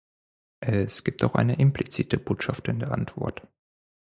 Es gibt auch eine implizite Botschaft in der Antwort.